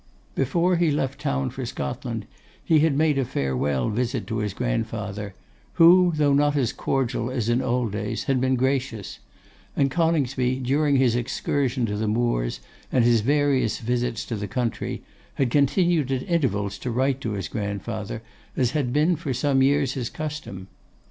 Before he left town for Scotland he had made a farewell visit to his grandfather, who, though not as cordial as in old days, had been gracious; and Coningsby, during his excursion to the moors, and his various visits to the country, had continued at intervals to write to his grandfather, as had been for some years his custom.